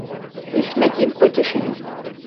Jsme tím potěšeni.